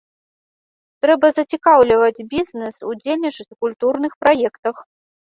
Трэба зацікаўліваць бізнэс удзельнічаць у культурных праектах.